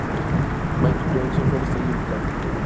Magic Johnson fue la estrella invitada.